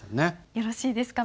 よろしいですか？